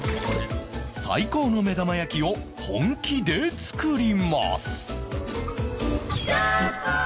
最高の目玉焼きを本気で作ります